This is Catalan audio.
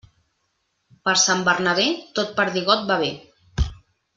Per Sant Bernabé, tot perdigot va bé.